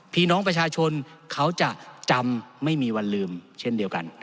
พี่น้องประชาชนเขาจะจำไม่มีวันลืมเช่นเดียวกัน